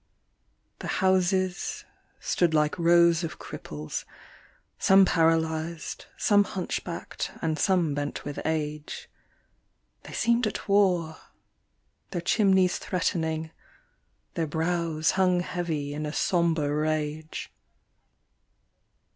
The houses stood like rows of cripples, some paralysed, some hunch backed and some bent with age, They seemed at war, their chimneys threatening, their brows hung heavy in a sombre rage.